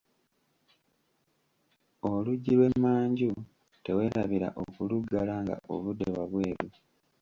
Oluggi lw'emmanju teweerabira okuluggala nga ovudde wabweru.